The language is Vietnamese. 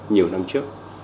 nhiều năm trước